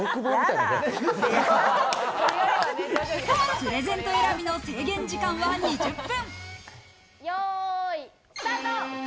プレゼント選びの制限時間は２０分。